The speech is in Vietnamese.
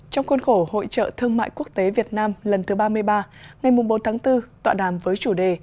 trong khuôn khổ hội trợ thương mại quốc tế việt nam lần thứ ba mươi ba ngày bốn tháng bốn tọa đàm với chủ đề